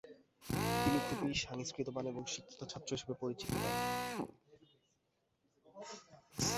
তিনি খুবই সংস্কৃতিবান ও শিক্ষিত ছাত্র হিসেবে পরিচিতি পান।